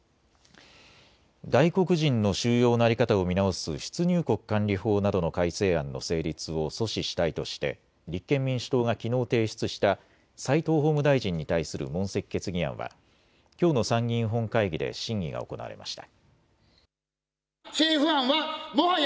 外国人の収容の在り方を見直す出入国管理法などの改正案の成立を阻止したいとして立憲民主党がきのう提出した齋藤法務大臣に対する問責決議案はきょうの参議院本会議で審議が行われました。